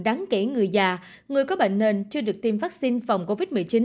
đáng kể người già người có bệnh nền chưa được tiêm vaccine phòng covid một mươi chín